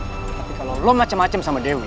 tapi kalau lo macem macem sama dewi